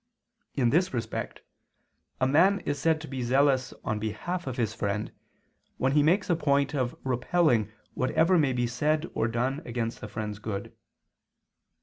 In this respect, a man is said to be zealous on behalf of his friend, when he makes a point of repelling whatever may be said or done against the friend's good.